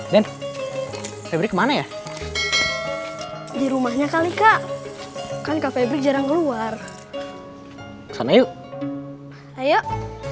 dan lebih ke mana ya di rumahnya kali kak kak febri jarang keluar sana yuk yuk